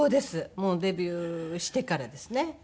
もうデビューしてからですね。